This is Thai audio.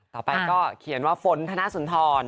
ต่อไปก็เขียนว่าฝนธนสุนทร